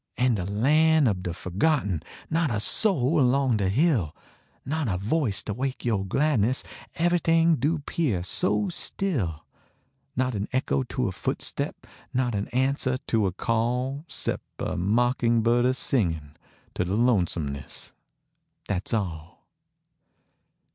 In de Ian ob cle forgotten ; Not a soul along de hill ; Not a voice to wake yo gladness ; Everything do pear so still ; Not an echo to a footstep ; Not an ansah to a call Sep a mockin bird a singin To de lonesomeness dat s all.